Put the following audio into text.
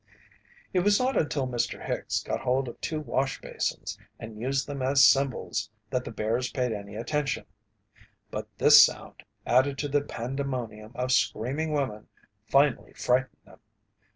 It was not until Mr. Hicks got hold of two washbasins and used them as cymbals that the bears paid any attention. But this sound, added to the pandemonium of screaming women, finally frightened them.